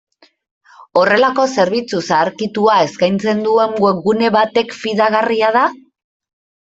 Horrelako zerbitzu zaharkitua eskaintzen duen webgune batek fidagarria da?